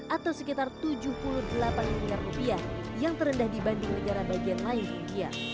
atau sekitar tujuh puluh delapan miliar rupiah yang terendah dibanding negara bagian lain di india